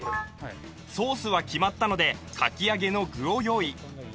ソースは決まったのでかき揚げの具を用意